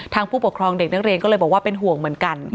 ผู้ปกครองเด็กนักเรียนก็เลยบอกว่าเป็นห่วงเหมือนกัน